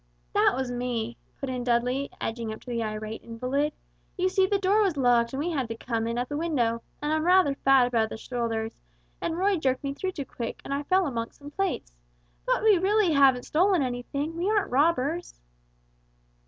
"That was me," put in Dudley, edging up to the irate invalid; "you see the door was locked and we had to come in at the window, and I'm rather fat about the shoulders, and Roy jerked me through too quick and I fell amongst some plates. But we really haven't stolen anything, we aren't robbers!"